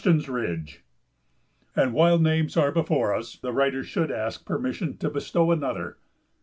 ] [Sidenote: Karstens Ridge] And while names are before us, the writer would ask permission to bestow another.